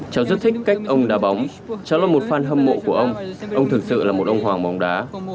cháu rất thích cách ông đá bóng cháu là một fan hâm mộ của ông ông thực sự là một ông hoàng bóng đá